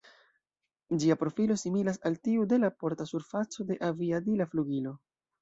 Ĝia profilo similas al tiu de la porta surfaco de aviadila flugilo.